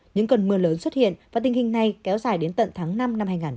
những cơn mưa lớn xuất hiện và tình hình này kéo dài đến tận tháng năm năm hai nghìn hai mươi